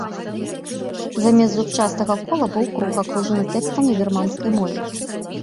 Замест зубчастага кола быў круг, акружаны тэкстам на бірманскай мове.